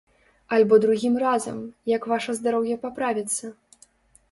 Альбо другім разам, як ваша здароўе паправіцца?